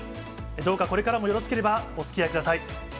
どうかこれからもよろしければ、おつきあいください。